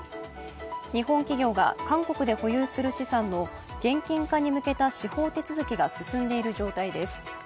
日本企業が韓国で保有する資産の現金化に向けた司法手続きが進んでいる状態です。